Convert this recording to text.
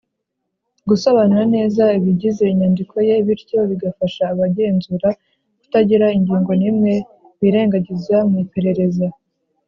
gusobanura neza ibigize inyandiko ye bityo bigafasha abagenzura kutagira ingingo nimwe birengagiza mu iperereza.